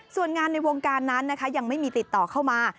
ส่วนงานในวงการนั้นนะคะยังไม่มีติดต่อเข้ามา